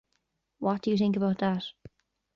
What do you think about that?